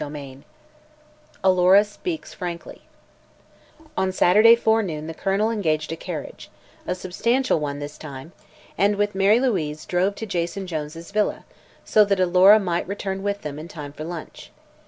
CHAPTER XI ALORA SPEAKS FRANKLY On Saturday forenoon the Colonel engaged a carriage a substantial one, this time and with Mary Louise drove to Jason Jones' villa, so that Alora might return with them in time for lunch.